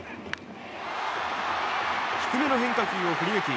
低めの変化球を振り抜き